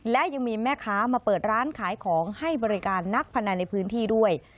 และยังมีแม่ค้ามาเปิดร้านขายของให้บริการนักพนันในพื้นที่ด้วย